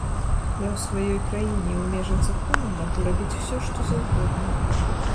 Я ў сваёй краіне і ў межах закона магу рабіць усё, што заўгодна.